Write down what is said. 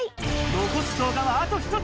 残す動画はあと１つ。